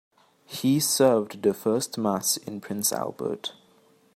He served the first mass in Prince Albert.